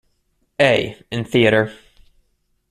A. in theatre.